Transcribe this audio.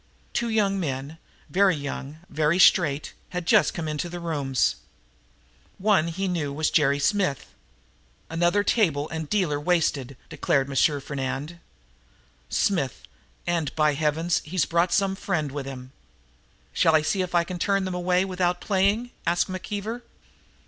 Two young men, very young, very straight, had just come into the rooms. One he knew to be Jerry Smith. "Another table and dealer wasted," declared M. Fernand. "Smith and, by heavens, he's brought some friend of his with him!" "Shall I see if I can turn them away without playing?" asked McKeever.